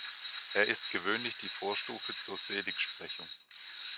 Er ist gewöhnlich die Vorstufe zur Seligsprechung.